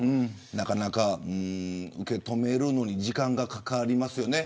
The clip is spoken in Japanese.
なかなか受け止めるのに時間がかかりますよね。